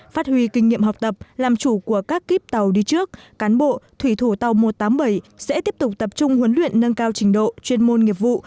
phát huy kinh nghiệm học tập làm chủ của các kíp tàu đi trước cán bộ thủy thủ tàu một trăm tám mươi bảy sẽ tiếp tục tập trung huấn luyện nâng cao trình độ chuyên môn nghiệp vụ